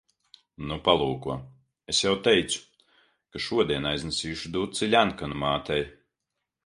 Nu, palūko. Es jau teicu, ka šodien aiznesīšu duci Ļenkanu mātei.